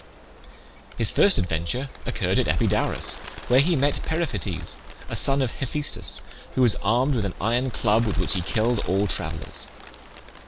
His first adventure occurred at Epidaurus, where he met Periphetes, a son of Hephaestus, who was armed with an iron club, with which he killed all travellers.